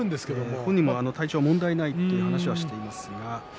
本人も体調は問題ないと話しています。